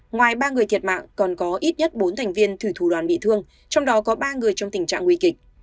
ngoài ba người thiệt mạng còn có ít nhất bốn thành viên thủy thủ đoàn bị thương trong đó có ba người trong tình trạng nguy kịch